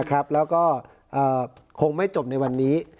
นะครับแล้วก็อ่าคงไม่จบในวันนี้